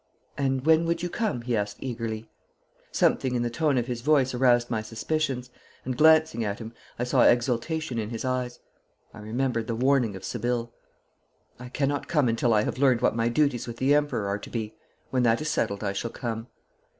'And when would you come?' he asked eagerly. Something in the tone of his voice aroused my suspicions, and glancing at him I saw exultation in his eyes. I remembered the warning of Sibylle. 'I cannot come until I have learned what my duties with the Emperor are to be. When that is settled I shall come.'